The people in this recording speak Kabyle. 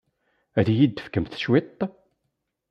Ad iyi-d-tefkemt cwiṭ?